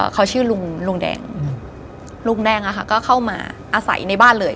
เขาชื่อลุงลุงแดงลุงแดงอะค่ะก็เข้ามาอาศัยในบ้านเลย